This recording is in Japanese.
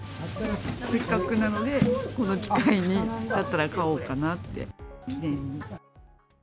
せっかくなので、この機会に、だったら買おうかなって、記念に。